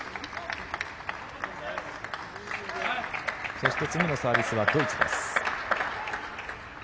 そして次のサービスはドイツです。